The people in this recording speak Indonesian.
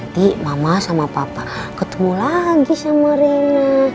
di mama sama papa ketemu lagi sama rena